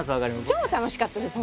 超楽しかったです